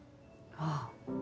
ああ。